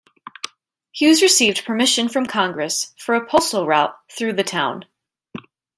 Hughes received permission from Congress for a postal route through the town.